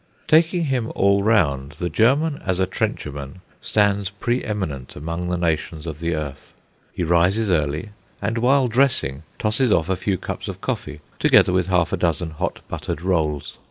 Taking him all round, the German as a trencherman stands pre eminent among the nations of the earth. He rises early, and while dressing tosses off a few cups of coffee, together with half a dozen hot buttered rolls.